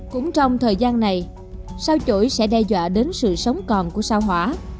cũng trong thời gian này sao chổi sẽ đe dọa đến sự sống còn của sao hỏa